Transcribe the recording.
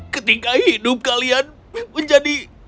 ketika hidup kalian menjadi